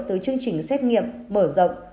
từ chương trình xét nghiệm mở rộng